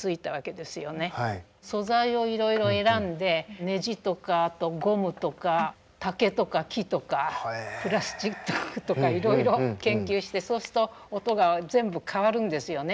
素材をいろいろ選んでネジとかあとゴムとか竹とか木とかプラスチックとかいろいろ研究してそうすると音が全部変わるんですよね。